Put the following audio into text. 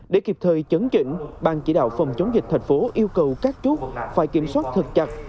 để kịp thời chấn chỉnh bang chỉ đạo phòng chống dịch thạch phố yêu cầu các chút phải kiểm soát thật chặt